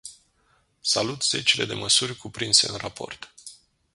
Salut zecile de măsuri cuprinse în raport.